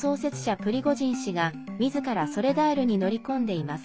プリゴジン氏がみずからソレダールに乗り込んでいます。